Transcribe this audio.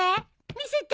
見せて。